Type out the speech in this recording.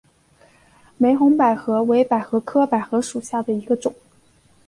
玫红百合为百合科百合属下的一个种。